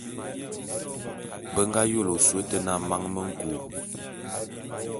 Be nga yôle ôsôé ôte na Man me nku.